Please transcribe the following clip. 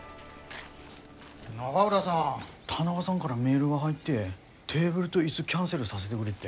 永浦さん田中さんがらメールが入ってテーブルと椅子キャンセルさせでくれって。